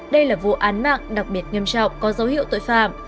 đây là vụ án mạng đặc biệt nghiêm trọng có dấu hiệu tội phạm